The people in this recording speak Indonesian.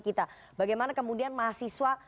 kita bagaimana kemudian mahasiswa